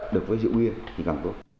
được với rượu bia thì càng tốt